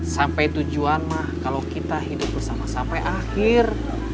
sampai tujuan mah kalau kita hidup bersama sampai akhir